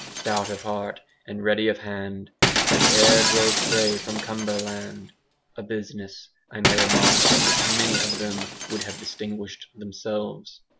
Stout of heart and ready of hand, As e'er drove prey from Cumberland; a business, I may remark, at which many of them would have distinguished themselves.